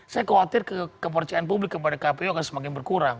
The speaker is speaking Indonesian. saya khawatir kepercayaan publik kepada kpu akan semakin berkurang